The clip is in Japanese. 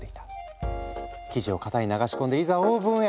生地を型に流し込んでいざオーブンへ。